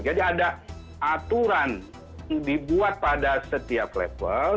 jadi ada aturan dibuat pada setiap level